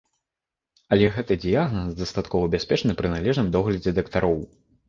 Але гэты дыягназ дастаткова бяспечны пры належным доглядзе дактароў.